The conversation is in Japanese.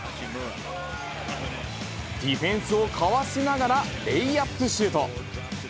ディフェンスをかわしながら、レイアップシュート。